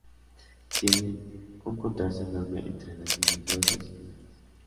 Tienen un contraste enorme entre las líneas gruesas y finas.